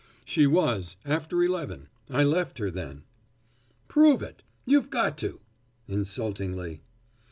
"She was, after eleven. I left her then." "Prove it. You've got to," insultingly.